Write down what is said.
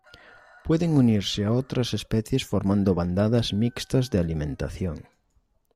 Pueden unirse a otras especies formando bandadas mixtas de alimentación.